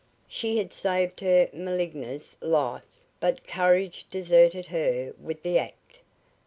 She had saved her maligner's life, but courage deserted her with the act.